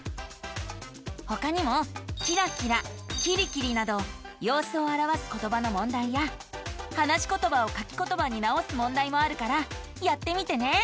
ほかにも「きらきら」「きりきり」などようすをあらわすことばのもんだいや話しことばを書きことばに直すもんだいもあるからやってみてね。